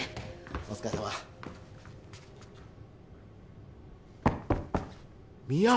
お疲れさま深山！